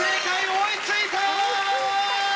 追いついた！